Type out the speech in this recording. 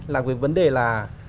là cái vấn đề là